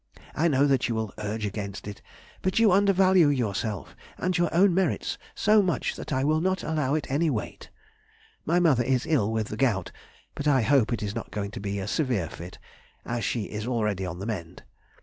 I know what you will urge against it, but you undervalue yourself and your own merits so much that I will not allow it any weight. My mother is ill with the gout, but I hope it is not going to be a severe fit, as she is already on the mend.